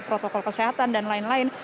protokol kesehatan dan lain lain